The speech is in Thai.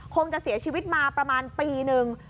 คงจะเสียชีวิตมาประมาณปีนึง